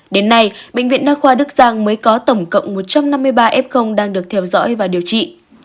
đến nay bệnh viện đa khoa đức giang mới có tổng cộng một trăm năm mươi ba f đang được theo dõi và điều trị